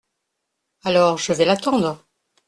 Alors, je vais l’attendre…